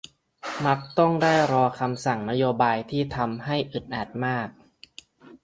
มักต้องได้รอคำสั่งนโยบายที่ทำให้อึดอัดมาก